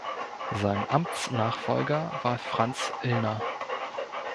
Sein Amtsnachfolger war Franz Illner.